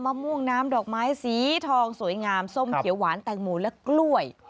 ม่วงน้ำดอกไม้สีทองสวยงามส้มเขียวหวานแตงโมและกล้วย